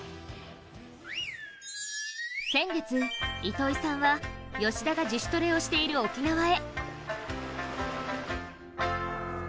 先月糸井さんは、吉田が自主トレをしている沖縄へ。